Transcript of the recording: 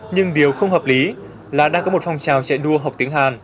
nhưng điều không hợp lý là đang có một phong trào chạy đua học tiếng hàn